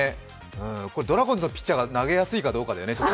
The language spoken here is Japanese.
これ、ドラゴンズのピッチャーが投げやすいかどうかだよね。